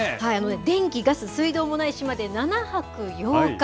電気、ガス、水道もない島で７泊８日。